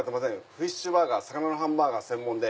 フィッシュバーガー魚のハンバーガー専門で。